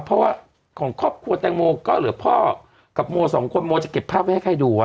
เพราะว่าของครอบครัวแตงโมก็เหลือพ่อกับโมสองคนโมจะเก็บภาพไว้ให้ใครดู